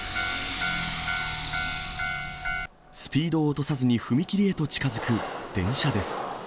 スピードを落とさずに踏切へと近づく電車です。